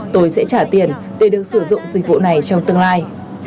tôi sẽ trả tiền để được sử dụng dịch vụ này trong tương lai